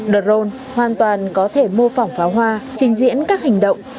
derone hoàn toàn có thể mô phỏng pháo hoa trình diễn các hành động